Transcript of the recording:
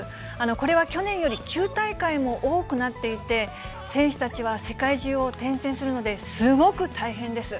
これは去年より９大会も多くなっていて、選手たちは世界中を転戦するので、すごく大変です。